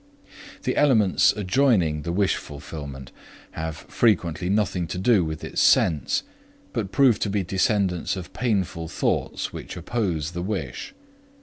The elements adjoining the wish fulfillment have frequently nothing to do with its sense, but prove to be descendants of painful thoughts which oppose the wish.